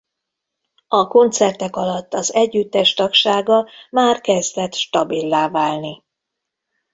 A koncertek alatt az együttes tagsága már kezdett stabillá válni.